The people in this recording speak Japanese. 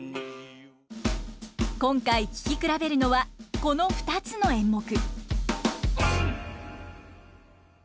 今回聞き比べるのはこの２つの演目。